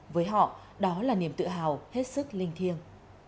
với họ đó là niềm tự hào hết sức linh thiêng